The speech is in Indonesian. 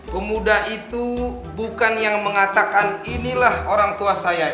pemuda itu bukan yang mengatakan inilah orang tua saya